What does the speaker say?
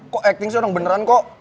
kok acting sih orang beneran kok